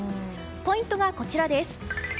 ポイントはこちらです。